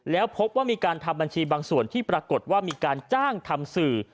แล้วพบว่ามีการทำบัญชีบางส่วนที่ปรากฏว่ามีการจ้างทำสื่อ